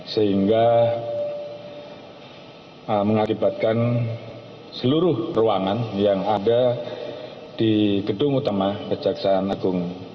sehingga mengakibatkan seluruh ruangan yang ada di gedung utama kejaksaan agung